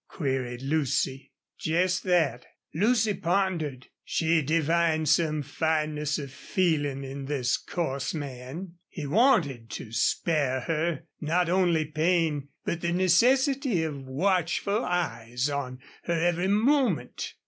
queried Lucy. "Jest thet." Lucy pondered. She divined some fineness of feeling in this coarse man. He wanted to spare her not only pain, but the necessity of watchful eyes on her every moment.